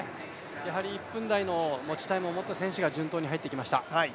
１分台の持ちタイムを持った選手がやはり順当に入ってきました。